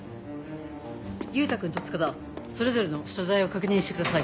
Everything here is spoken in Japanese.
優太君と塚田それぞれの所在を確認してください。